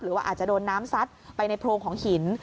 หรือว่าอาจจะโดนน้ำซัดไปในโพรงของหิน